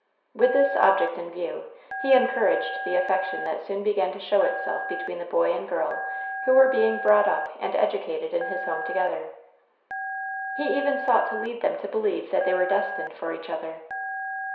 With this object in view, he encouraged the affection that soon began to show itself between the boy and girl who were being brought up and educated in his home together. He even sought to lead them to believe that they were destined for each other.